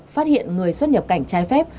phát hiện người xuất nhập cảnh trái phép